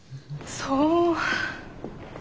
そう。